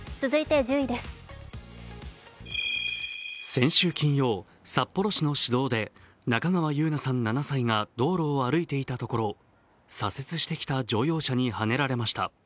先週金曜、札幌市の市道で中川優菜さん７歳が道路を歩いていたところ、左折してきた乗用車にはねられました。